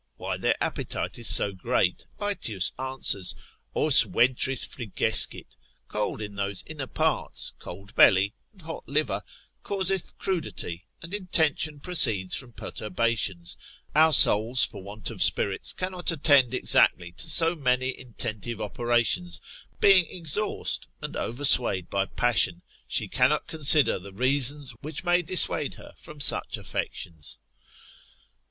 Why their appetite is so great, Aetius answers: Os ventris frigescit, cold in those inner parts, cold belly, and hot liver, causeth crudity, and intention proceeds from perturbations, our souls for want of spirits cannot attend exactly to so many intentive operations, being exhaust, and overswayed by passion, she cannot consider the reasons which may dissuade her from such affections.